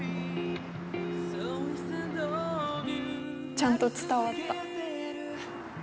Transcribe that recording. ちゃんと伝わった。